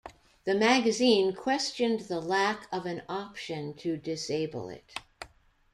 The magazine questioned the lack of an option to disable it.